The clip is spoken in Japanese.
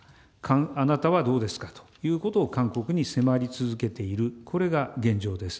あなたはどうですかということを韓国に迫り続けている、これが現状です。